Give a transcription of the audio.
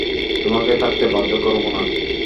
তোমাকে থাকতে বাধ্য করবো না।